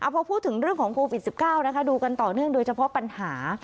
พอพูดถึงเรื่องของโควิด๑๙ดูกันต่อเนื่องโดยเฉพาะปัญหา